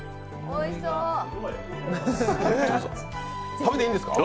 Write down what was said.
食べていいんですか？